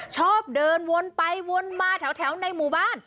ชอบเดินวนไปวนมาแถวในหมู่บ้าน